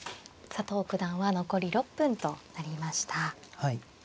佐藤九段は残り６分となりました。